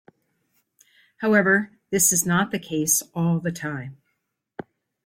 However, this is not the case all the time.